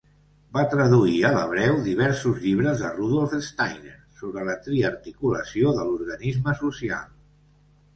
Va traduir a l'hebreu diversos llibres de Rudolf Steiner sobre la triarticulació de l"organisme social.